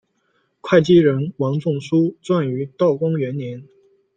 会稽人王仲舒撰于道光元年。